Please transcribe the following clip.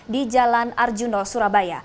di jalan arjuna surabaya